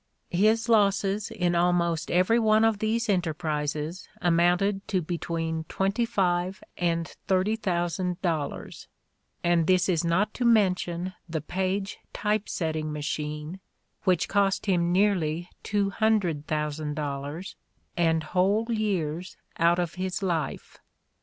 His losses in almost every one of these enterprises amounted to between twenty five and thirty thousand dollars, and this is not to mention the Paige Typesetting Machine, which cost him nearly two hundred thousand dollars and whole years out of his life.